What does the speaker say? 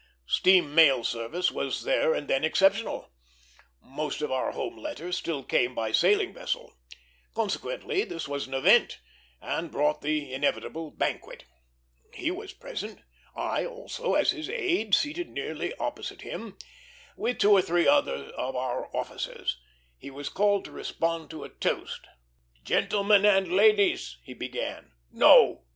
Steam mail service was there and then exceptional; most of our home letters still came by sailing vessel; consequently, this was an event, and brought the inevitable banquet. He was present; I also, as his aide, seated nearly opposite him, with two or three other of our officers. He was called to respond to a toast. "Gentlemen and ladies!" he began. "No!